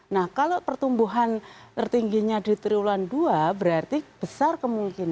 nah kalau pertumbuhan tertingginya di triwulan dua berarti besar kemungkinan